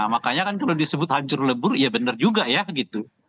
makanya kan kalau disebut hancur lebur ya benar juga ya gitu